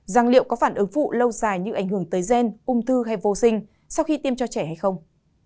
rằng liệu có phản ứng phụ lâu dài như ảnh hưởng tới gen ung thư hay vô sinh sau khi tiêm cho trẻ hay không